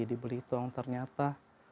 di belitung ternyata